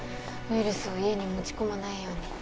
ウイルスを家に持ち込まないように。